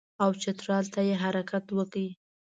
او چترال ته یې حرکت وکړ.